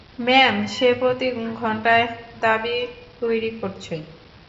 Ma'am, সে প্রতি ঘন্টায় দাবি তৈরি করছে।